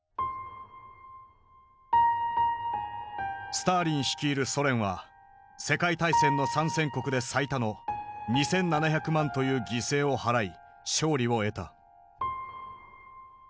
スターリン率いるソ連は世界大戦の参戦国で最多の２，７００万という犠牲を払い勝利を得た。